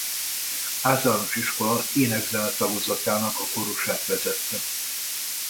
Általános Iskola ének-zene tagozatának a kórusát vezette.